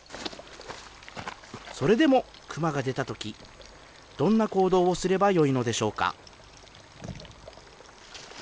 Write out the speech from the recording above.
それでもクマが出たとき、どんな行動をすればよいのでしょうか。